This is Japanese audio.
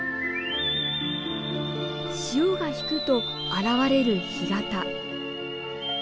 潮が引くと現れる干潟。